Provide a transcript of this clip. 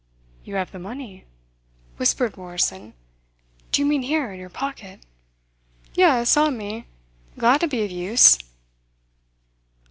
"You have the money?" whispered Morrison. "Do you mean here, in your pocket?" "Yes, on me. Glad to be of use."